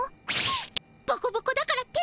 ボコボコだからってなんです！